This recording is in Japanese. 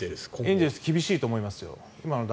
エンゼルス厳しいと思いますよ。